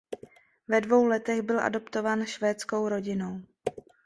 Ve dvou letech byl adoptován švédskou rodinou.